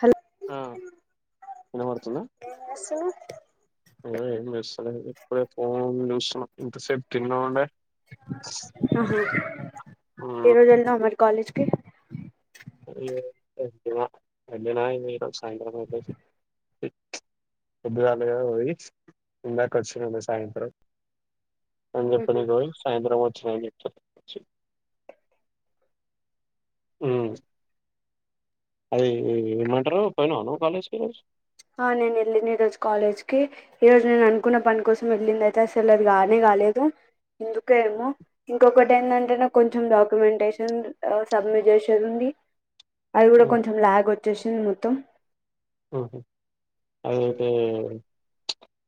Hello ఆ ఇనపడుతుంద room లో [unintelligible] ఎస్ ఎప్పుడే ఫోన్ూస ఎంత సేప్టి ఉన్నండ తరుజల్నా అమరి కాలజ్ ప అనర సాయంత్రం పెద్దుగాలగా పోయి ఉందాక వచ్చడి సాయంత్రం అం చెప్ప సాయ్రబద్ ార్ అ అ అది ఏమంటారు పైన అను కాలేజ్ కి రోజు ఆ నేను వెళ్ళింది ఈరోజు కాలేజ్కి ఈరోోజు నేను అనుకున్న పని కోసం వెళ్ళింది అయితే అసలు అది గానే కాలేదు ఎందుకేమో ఇంకొకటి ఏంటంటే నాకు కొంచెం డాక్యుమెంటేషన్ సబ్మిట్ చేసేదిడి అది కూడా ఉమ్, కొంచెం లాగ్ వచ్చేసింది చి మొత్తం హ అదయితే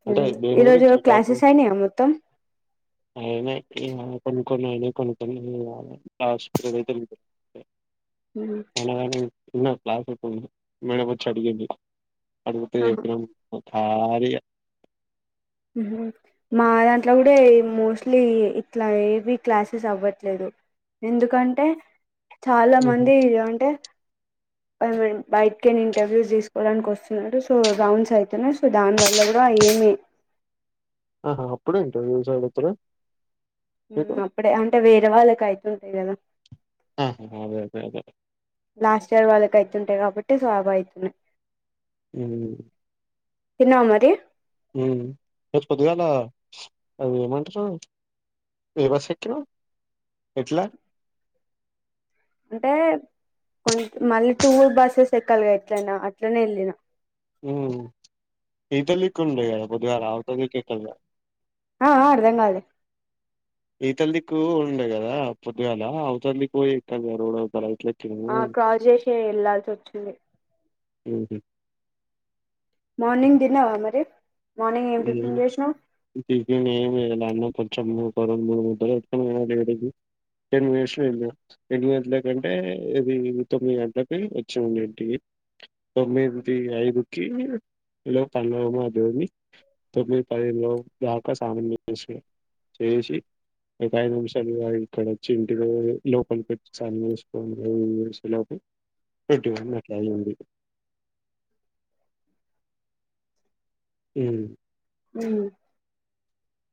అంటే దేని ఈ గురి రోజు చకు క్లాసెస్ అయినాయా మొత్తం ఆయన కొన్ని కొ అనే కొకని పలవా ఇన్న క్లాస్ మేనపచ్చి అడిగడి అతే ఆహా ఏపం కారి మా దాంట్లో కూడా మోస్ట్లీ ఇట్లా ఏవి క్లాసెస్ అవ్వట్లేదు ఎందుకంటే చాలా మంది అంటే బయటికి ఏ ఇంటర్వ్యూస్ తీసుకోవడానికి వస్తుడు సో రౌండ్స్ అయితున్నాయి సో దాని వల్ల కూడా ఏమ ఆహా అప్పుడే ఇంటర్వ్యూస్ లొ అడుగుతారా మీకు అప్పుడే అంటే వేరే వాళ్ళకై గదా ఆహా అదే అదే అదే లాస్ట్ ఇయర్ వాళ్ళకి అయితుంటాయి కాబట్ [unintelligible] ఉమ్ తినవా మరి ఉమ్ ఈ రోజు పొద్దుగాల అది ఏమంటారు ఏవశక్య ఎట్లా అంటే కొం మళ్ళీ టూర్ బస్సెస్ ఎ కలుగా ఎట్లనా అట్లనే వెళ్ళిన ఉమ్ ఇదలీకి ఉండె రార అత మీ కేకల ఆ ఆ అర్థం కాలె ఈతల్లికి ఉండే కదా పొద్గాగల అవుతల్లికి పోయి క రోడ్త ఇల ఆ క్రాస్ చేసి వెళ్లాల్సి వచ్చింది ఉంది మర్నింగ్ తినవా అ మరి మార్నింగ్ ఏం మ్ టిఫిన్ చేసినావ్ టిఫిన్ ఎమ్ చేయాలె అన్నం కొంచం పరం మూడు ముఠాలు ఎతుకు పోయిన డాడీ కి ఏను విష ఇ ఎన్ని గంటల కంటే ఇది తొమ్మిది గంటలకి వచ్చి ఉండంటి తొమిదికి ఐదుకి ఇ లో పలవ మా దోవి తబి పదహైదు లోపు స్నానం చే చేసి ఒక ఐదు నిమిషాలు ఇక్కడ వచ్చి ఇంటిలో లోపలి పెట్టిసుకడి ఎలావుతూ పెటిట్లాంది ఉమ్ ఉ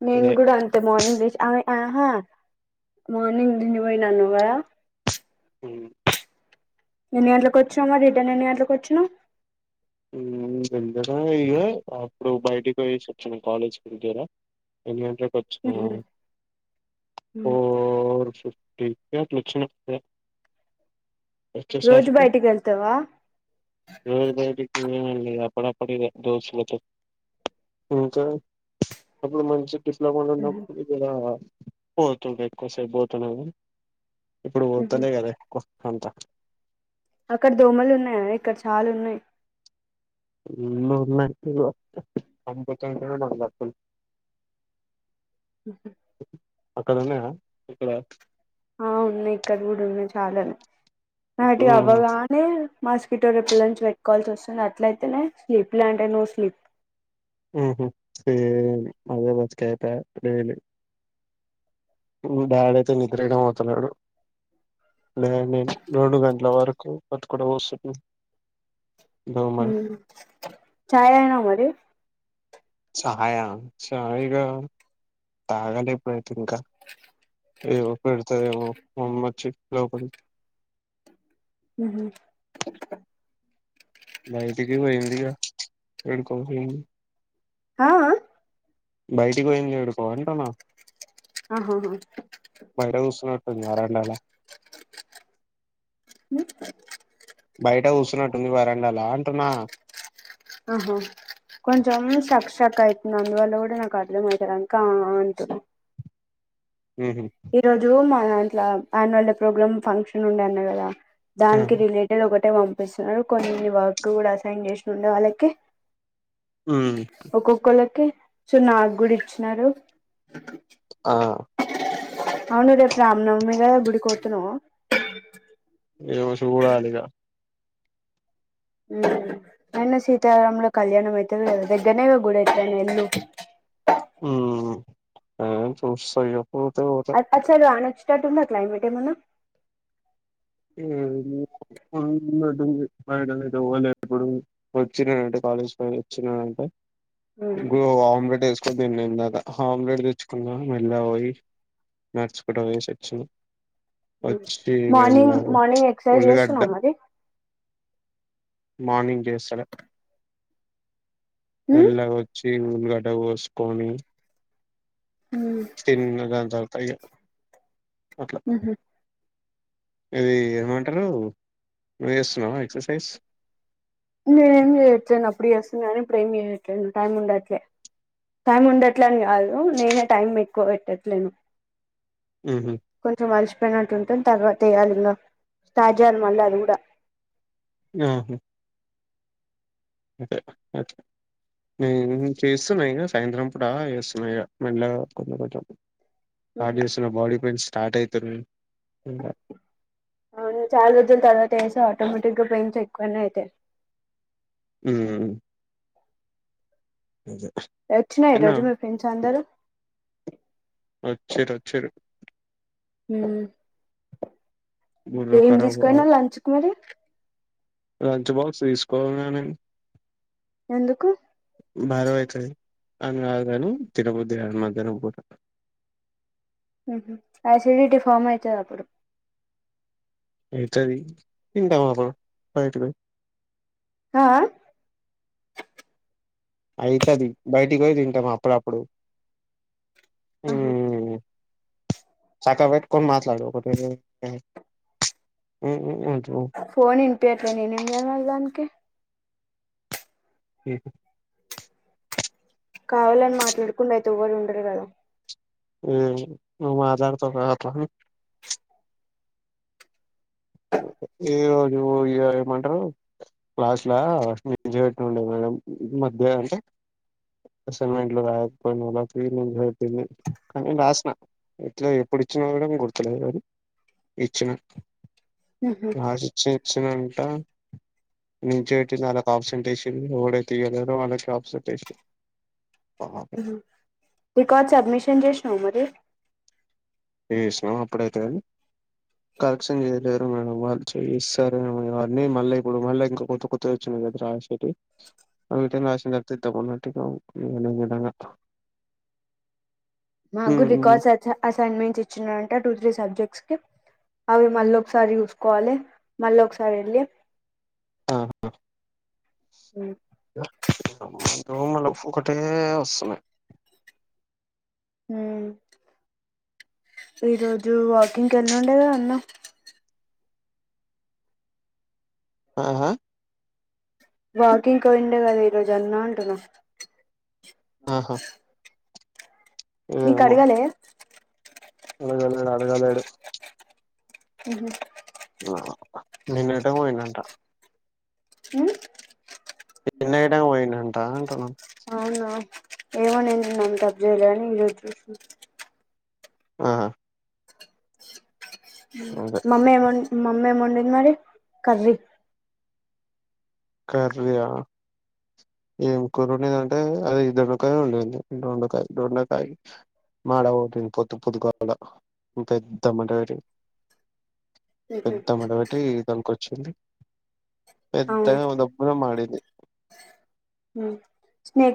నెన్ అదే కూడా అంతే మార్నింగ్ ఆ ఆహా మార్నింగ్ దీని పోయినా అనువ ఉమ్, ఎన్ని గంటలకుకి వచ్చినాం మరి రిటర్న్ ఎన్ని గంటకి వచ్చినాం యు దగ్గరే ఇగ అప్పుడు బయటికి పోయేసి వచ్చినాం కాలేజ్ దగ్గర ఎంట వచ్చిన పోర్ [unintelligible] రోజు బయటికి వెళ్తావా యు అప్పుడప్పుడు ఇక దోస్తులతో ఇంకా అప్పుడు మంచి [unintelligible] పోతుంటా ఎక్కువసేపు పోతా నేను ఇప్పుడు పోతనే కదా క్కువ అంతా అక్కడ దోమలు ఉన్నాయా ఇక్కడ చాలు ఉన్నాయి ఎన్నో ఉన్నాయి ఇక్కడ చూడలే [unintelligible] ఉహు అక్కడ ఉన్నాయా ఇక్కడ ఆ ఉన్నాయి ఇక్కడ కూడా ఉన్నాయి చాలానే నైట్ ఇక ఉమ్ అవ్వగానే మాస్కిటో రిప్లైయెన్స్ పెట్టుకోవాల్సి వస్తుంది అట్లయితేనే స్లిప్ లేదంటే నో స్లీప్ ఉహూ సేమ్ అదే బతుకు అయిపోయాయ [unintelligible] ఉమ్ డాడ్ అయితే నిద్రైనా పోతలేడు లే నేను రెండు గంటల వరకు అక్కడ కుసుంటున్న ఉమ్ చాయ్ తాగినావా మరి ఛాయా చాయ్ ఇగ తాగలే ఇప్పుడు అయి తే ఇంకా ఏమో పెడతాదేమో మా అమ్మ వచ్చి లోపలి ఉహూ బయటికి పోయిందిగా ఏడికో పోయింది ఆ ఆ బయటికి పోయింది ఏడికో అంటున్నా ఆహా బయట కూర్చున్నట్టుంది వరండాలో ఉమ్ బయట కూర్చున్నట్టుంది వరండాల అంటున్నా ఆహా కొంచెం స్ట్రక్ స్ట్రక్ అయితుంది అందువల్ల కూడా నాకు అర్థం అయితలేదు కా అంటున్నా ఉహు ఈరోజు మా ఇంట్లా ఆన్యువల్ డే ప్రోగ్రామ్ ఫంక్షన్ ఉండే అన్నా కదా దానికి రిలేటెడ్ ఒకటి ట్టే పంపిస్తున్నారు కొన్ని వర్క్ కూడా అసైన్ చేస్తుండే వాళ్ళకి ఉమ్ ఒక్కొక్కలకి సో నాకు కూడా ఇచ్చినారు ఆ అవును రేపు రామ్ నవమి కదా గుడికి పోతున్నావా ఏదో చూడాలి ఇగ ఉమ్ అయినా సీత రాములా కళ్యాణం అయితుంది కదా దగ్గరనే ఇగ గుడి అయితే వెళ్లు ఉమ్ ఏ చూస్త ఇగ పోతే పోతా అట్ పచాలు అనోచ్ ఉన్నట్టుందా క్లైమేట్ ఏమన్న ఉమ్ ఉన్నటుంది బయట నైతే ఎవ్వరు లేరు వచ్చినానంటే కాలేజ్ పొయ్యి వచ్చినానంటే గో ఆమ్లెట్ వేసుకోని తిన్నా ఇందాక ఆమ్లెట్ తెచ్చుకున్న మెల్లగ పోయి నడుచుకుంట పోయేసి వచ్చిన వచ్చి మార్నింగ్ మెల్లగా మార్నింగ్ ఎక్సర్సైజ్ ఉల్లిగడ్డ చేస్తున్నావ మరి మార్నింగ్ చేస్తలే ఉమ్ మెల్లగా వచ్చి ఈ ఉల్లిగడ్డ కోసుకొని తిన్నగా అంతవరకు పైగా అట్ల ఉహు ఇది ఏమంటారు నువ్వు చేస్తున్నావ ఎక్సర్సైజ్ నేను ఏమి చెయ్యట్లే అప్పుడు చేస్తూ గని ఇప్పుడు ఏమి చేయట్లేదు టైమ్ ఉండట్లే టైమ్ ఉండట్లే అని కాదు ఉ నేనే టైం ఎక్కువ పెట్టచ్ లేను ఉహు కొంచం అలిసి చెయానట్టు ఉంటాం తర్వాత చేయాలి ఇంకా స్టార్ట్ చెయ్యాలి మళ్ళీ అది కూడా ఉ హుమ్ అ అ నేను చేస్తున్నా ఇగ సాయంత్రం పూట చేస్తున్నా ఇగ మెల్లగా కొంచెం కొంచెం స్టార్ట్ చేస్తున్న బాడీ పెయిన్స్ స్టార్ట్ అవుతు అ చాల రోజుల తర్వాత చేస్తున్న స్తే ఆటోమేటిక్ గా పెయిన్స్ ఎక్కువనే అయితాయి ఉ నిజం వచ్చినారా ఈ రోజు మీ ఫ్రెండ్స్ అందరుూ వచ్చిరు వచ్చిరు హ బుర్ర ఏం ఖరాబ్ తీసుకో కాలే పోయినవ్ లంచ్ కు మరి లంచ్ బాక్స్ తీసుకోవాలనండి ఎందుకు అయితది అని రాదుగాని తిరుపతి అ మద్యం కూడా ఆహా అసిడిటీ ఫామ్ అయితేదాప్పుడు [unintelligible] ఆ అయితది బయటికు పోయి తింటా ప్పుడుప్పుడు ఆహా సక్కగా పెట్టుకొని మాట్లాడు ఉహు ఉహు ఫోన్ వినిపియట్లే నేను ఎం చేయాలా దానికి [unintelligible] కావాలని మాట్లాడుకుండా అయితే ఎవరు ఉ ఉండరు కదా నువ్వు మాట్లాడుతావ్గా అట్లనే ఒకే ఏ రోజు ఇ ఏమంటారు క్లాస్ లా మట్టిండేది మేడం మధ్య అంటే అసైన్మెంట్లు రాకపోయిన వాళ ఫీట్టింది కానీ రాసిన ఇట్లా ఎప్పుడు ఇచ్చినా మేడం గుర్తులేదు అని ఇచ్చిన ఉహు ఇచ్చినంత నుంచిబెట్టి వాళ్ళకి ఆబ్సెంట్ వేసి ఎవడైతే ఇయ్యలేదో వాళ్ళకి ఆబ్సెంట్ వేసింది రికార్డు సబ్మిట్ చేసినావు మరి చేసిన అప్పుడైతే కలెక్షన్ చేయలేరు మేడం వాళ్ళు చేస్తారు అవని మళ్ళీ ఇప్పుడు మళ్ళీ ఇంకా కొత్త కొత్త వచ్చిన కదా రాసటి అటనా రాసిన జత ఇద్దమన్నట్టుగా వి మాక్కూడా రికార్డ్స్ అసైన్మెంట్ చ్చంట టూ త్రీ సబ్జెక్ట్స్ కి అవి మళ్ళ ఒకసారి చూసుకోవాలి మళ్ళ ఒకసారి వెళ్ళి ఆ హ్మ్ మళ ఒకటే వస్తున్నాయి ఈరోజు వాకింగ్కి వెళ్ళి ఉండేగా అన్న ఆహా వాకింగ్ పోయిండే కదా ఈరోజు అన్నా అంటున్నా ఆహా నీకు అడగలే అడగాలేడు అడగాలేడు ఉహు నిన్న ఎటో పోయిండు అంట నిన్న ఎ టైమ్ కి పోయిండు అం రానంటా అవున ఏమో నేను నిన్నంత అబ్జర్వ్ చేయాలె కానీ ఈరోజు చూస్తు ఆహా అదే మమ్మీ ఏం మమ్మేమ్ ఓండింది మరి కర్రీ కర్రియా? ఏం కూర ఓండింది అది దొండకాయ ఓండింది దొండకాయ దొండకాయ మాడ గొట్టింది పొద్దు పొద్దున పెద్ద మంటపెట్టి పెద్ద మంటపెట్టి పెద్ద అవును తను ఒదబ్బర మడిది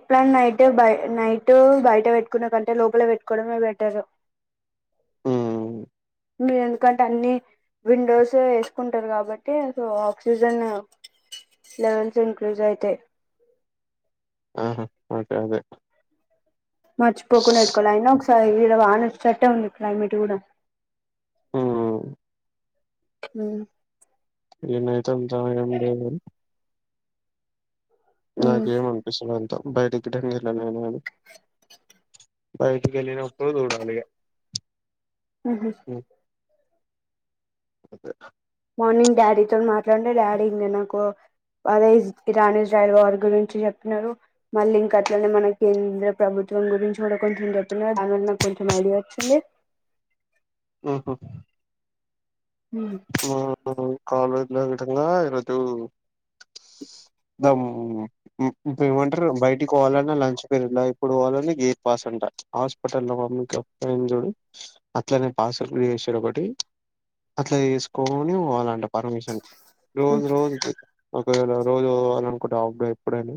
ఫ్యాన్ నైట్ బ నైటు బయట పెట్టుకునే కంటే లోపల పెట్టుకోవడమే బెటర్ ఉ మీరు ఎందుకంటే అన్ని విండోస్ వేసుకుంటారు కాబట్టి సో ఆక్సిజన్ లెవెల్స్ ఇంక్రిజ్ అయితాయి ఆహా ఓకే అదే మర్చిపోకుండా ఎట్టుకోవాలి అయిన ఒకసారి ఈడా వాన వచెట్టే ఉంది క్లైమేట్ కూడా హుమ్ హుమ్ ఎన్నైతే అంతా నాకేం అనిపిస్తలేదు బయట గిట్టంగ ఎళ్లలేదు బయటికి ఎళ్ళినప్పుడు చూడాలిగా ఊహు మార్నింగ్ డాడీతో మాట్లాడుతుండే డాడీ ఇంకా నాకు అదే రాణి జైవార్ గురించి చెప్పినారు మళ్ళీ ఇంక అట్లనే మన కేంద్ర ప్రభుత్వం గురించి కూడా కొంచెం చెప్పిన దానివల్ల నాకు కొంచెం ఐడియా వచ్చింది ఉహూ మాకు కాలేజ్ అదే విధంగా ఈరోజు మొత్తం ఏమంటారు బయటికి పోవాలన్నా లంచ్ పీరియడ్ ల ఇప్పుడు వాళ్ళనే గేట్ పాస్ అంట హాస్పిటల్ మమ్మికి పోయిం జూడు అట్లనే పాస్ చేసిర్రు ఒకటి అట్లా చేసుకొని పోవాలంట పర్మిషన్ రోజు రోజు కు ఒకవేళ రోజు పోవాలనుకుంటం అప్ ఎప్పుడైనా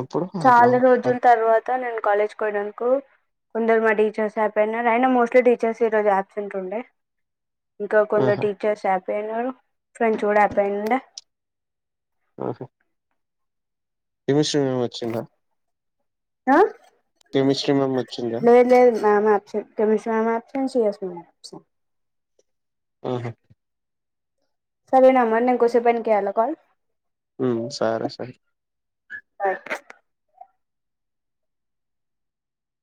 అప్పుడు అట్లా చాలా రోజుల తర్వాత నేను కాలేజ్ పోయినందకు కొందరు మ టీచర్స్ హ్యాపీ అయినారు అయినా మోస్ట్లీ టీచర్స్ ఈ రోజు ఆబ్సెంట్ ఉండే ఇంకా కొందర్ ఆహా టీచర్స్ యాప్ పోయినారు ఫ్రెండ్స్ కూడా అపోయిండ ఆహా కెమిస్ట్రీ మామ్ వచ్చిందా ఆ కెమిస్ట్రీ మ్యామ్ వచ్చిందా లేద్ లేద్ ఆమె ఆబ్సెంట్ కెమిస్ట్రీ ఆమె అబ్ C S C ma'am absent అహా సరే మరీ నేనూ కొద్దిసేపు ఆయినంక చేయలా కాల్ హుమ్ సరే సరే సరే